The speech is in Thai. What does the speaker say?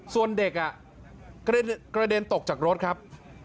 ส่วนเด็กกระเด็นตกจากรถครับ